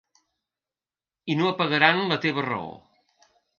I no apagaran la teva raó.